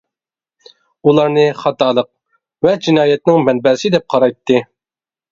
ئۇلارنى خاتالىق ۋە جىنايەتنىڭ مەنبەسى دەپ قارايتتى.